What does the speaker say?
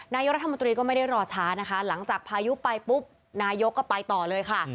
นายกรัฐมนตรีก็ไม่ได้รอช้านะคะหลังจากพายุไปปุ๊บนายกก็ไปต่อเลยค่ะ